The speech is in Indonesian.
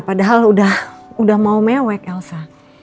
padahal udah mau mewak elsa